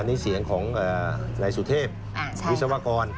อันนี้เสียงของในสุเทพิเศษวิศวกร